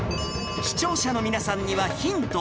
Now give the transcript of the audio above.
視聴者の皆さんにはヒント。